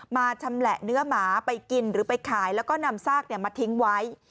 ชำแหละเนื้อหมาไปกินหรือไปขายแล้วก็นำซากมาทิ้งไว้